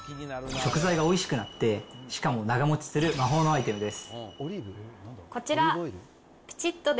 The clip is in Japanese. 食材がおいしくなって、しかも長持ちする魔法のアイテムです。